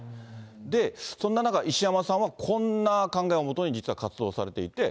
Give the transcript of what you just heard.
で、そんな中、石山さんはこんな考えをもとに、実は活動をされていて。